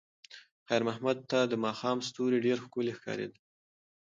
خیر محمد ته د ماښام ستوري ډېر ښکلي ښکارېدل.